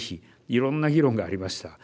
いろんな議論がありました。